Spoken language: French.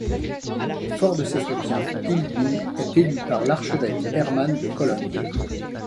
Fort de ces soutiens, Hilduin est élu par l’archevêque Hermann de Cologne.